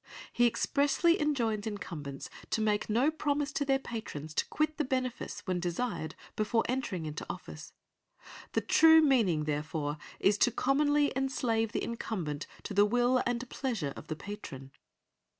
He expressly enjoins incumbents to make no promise to their patrons to quit the benefice when desired before entering into office. "The true meaning therefore is to commonly enslave the incumbent to the will and pleasure of the patron."